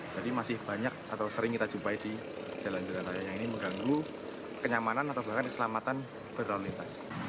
jadi masih banyak atau sering kita jumpai di jalan jalan raya yang ini mengganggu kenyamanan atau bahkan keselamatan berlalu lintas